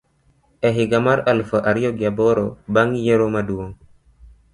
e higa mar eluf ariyo gi aboro bang ' yiero maduong '.